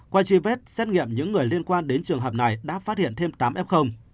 qua truy vết xét nghiệm những người liên quan đến trường hợp này đã phát hiện thêm tám f